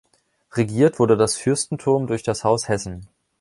Regiert wurde das Fürstentum durch das Haus Hessen.